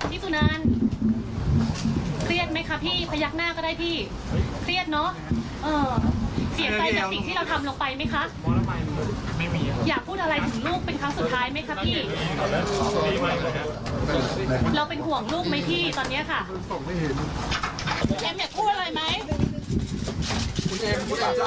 ว่าคุณพูดอะไรถึงลูกเป็นครั้งสุดท้ายมั้ยครับพี่